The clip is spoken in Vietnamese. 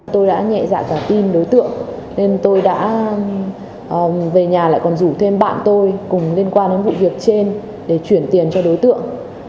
tôi đã nhẹ dạng cả tin đối tượng nên tôi đã về nhà lại còn rủ thêm bạn tôi cùng liên quan đến vụ việc trên để chuyển tiền cho đối tượng